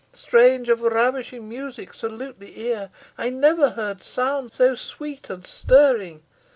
Strains of ravishing music salute the ear. I never heard sounds so sweet and stirring.